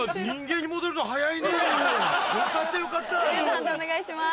判定お願いします。